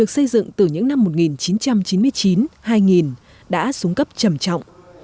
được xây dựng từ những năm một nghìn chín trăm chín mươi chín hai nghìn đã xuống cấp trầm trọng